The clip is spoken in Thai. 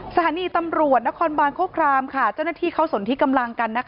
สถานีตำรวจนครบานโคครามเจ้าหน้าที่เขาสนที่กำลังกัน